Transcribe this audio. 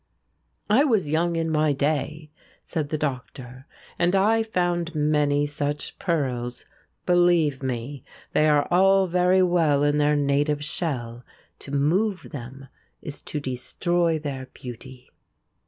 "I was young in my day," said the Doctor, "and I found many such pearls; believe me, they are all very well in their native shell. To move them is to destroy their beauty."